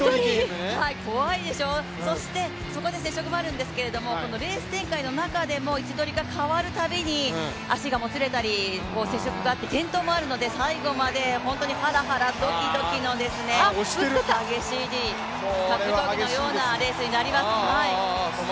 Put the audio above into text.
怖いでしょう、そしてそこで接触もあるんですがレース展開の中でも位置取りが変わるたびに足がもつれたり接触があって転倒もあるので最後まで、はらはらドキドキの激しい、格闘技のようなレースになります。